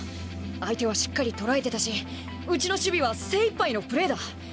相手はしっかりとらえてたしうちの守備は精いっぱいのプレーだ。